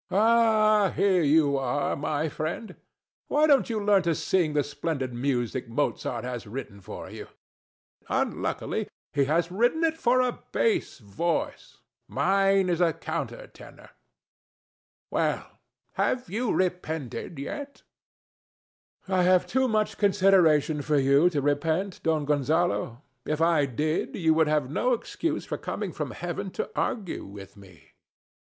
Ah, here you are, my friend. Why don't you learn to sing the splendid music Mozart has written for you? THE STATUE. Unluckily he has written it for a bass voice. Mine is a counter tenor. Well: have you repented yet? DON JUAN. I have too much consideration for you to repent, Don Gonzalo. If I did, you would have no excuse for coming from Heaven to argue with me. THE STATUE.